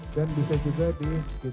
dan bisa juga di